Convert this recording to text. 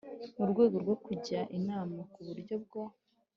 mu rwego rwo kujya inama ku buryo bwo